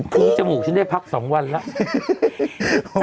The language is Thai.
ทีนี้จมูกฉันได้พักสองวันแล้ว